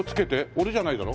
俺じゃないだろ？